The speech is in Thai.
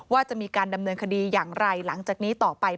ว่าจะมีการดำเนินคดีอย่างไรหลังจากนี้ต่อไป